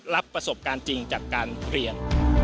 รับประสบการณ์จริงจากการเรียน